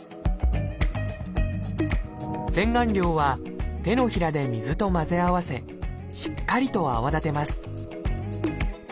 洗顔料は手のひらで水と混ぜ合わせしっかりと泡立てます